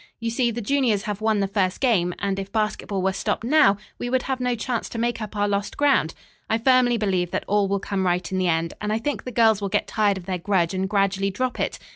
You see, the juniors have won the first game, and if basketball were stopped now we would have no chance to make up our lost ground. I firmly believe that all will come right in the end, and I think the girls will get tired of their grudge and gradually drop it.